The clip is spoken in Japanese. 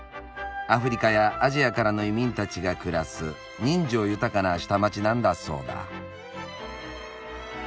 アフリカやアジアからの移民たちが暮らす人情豊かな下町なんだそうだ。